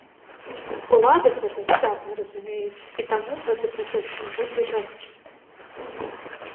Улады гэта выдатна разумеюць, і таму гэты працэс не будзе лёгкім.